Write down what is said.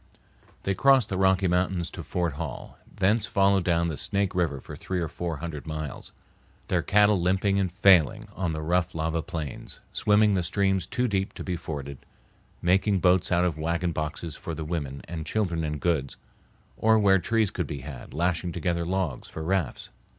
They crossed the Rocky Mountains to Fort Hall; thence followed down the Snake River for three or four hundred miles, their cattle limping and failing on the rough lava plains; swimming the streams too deep to be forded, making boats out of wagon boxes for the women and children and goods, or where trees could be had, lashing together logs for rafts.